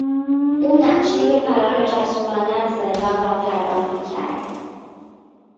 او نقشهی فرار جسورانه از زندان را طراحی کرد.